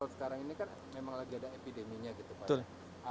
kalau sekarang ini kan memang lagi ada epideminya gitu pak